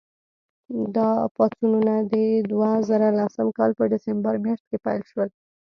دا پاڅونونه د دوه زره لسم کال په ډسمبر میاشت کې پیل شول.